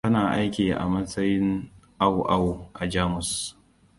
Tana aiki a matsayin au au a Jamus.